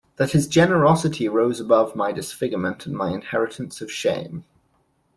That his generosity rose above my disfigurement and my inheritance of shame.